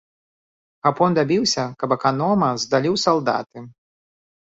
Гапон дабіўся, каб аканома здалі ў салдаты.